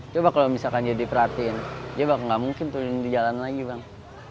coba kalo misalkan diperhatiin ya bakal ga mungkin turun di jalan lagi bang